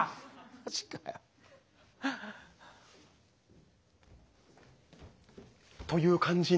マジかよ。という感じに。